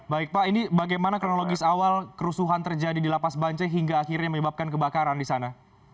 baik pak ini bagaimana kronologis awal kerusuhan terjadi di lapas bancai hingga akhirnya menyebabkan kebakaran di sana